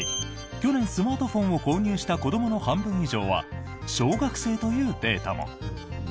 去年、スマートフォンを購入した子どもの半分以上は小学生というデータも。